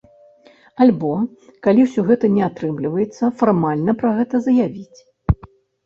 Альбо калі ўсё гэта не атрымліваецца, фармальна пра гэта заявіць.